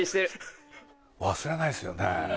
忘れないですよね。